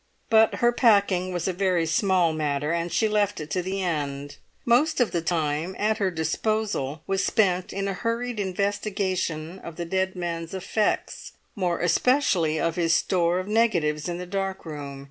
But her packing was a very small matter, and she left it to the end; most of the time at her disposal was spent in a hurried investigation of the dead man's effects, more especially of his store of negatives in the dark room.